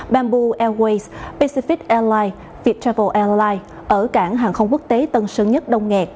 bamboo airways pacific airlines viettravel airlines ở cảng hàng không quốc tế tân sơn nhất đông nghẹt